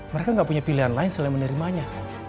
mereka gak punya pilihan lain selain menerimanya